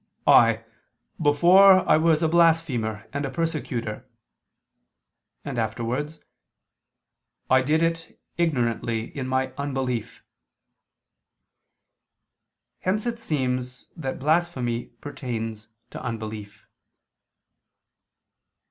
. before was a blasphemer and a persecutor," and afterwards, "I did it ignorantly in" my "unbelief." Hence it seems that blasphemy pertains to unbelief.